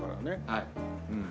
はい。